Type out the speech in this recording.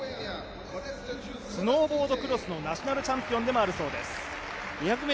スノーボードクロスのナショナルチャンピオンでもあるそうです。